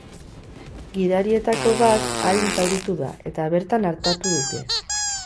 Gidarietako bat arin zauritu da, eta bertan artatu dute.